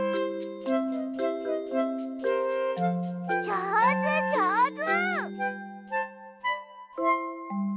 じょうずじょうず！